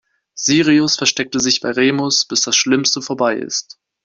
Sirius versteckt sich bei Remus, bis das Schlimmste vorbei ist.